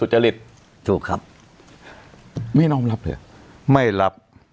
ฮ่า